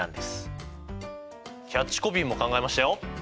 キャッチコピーも考えましたよ。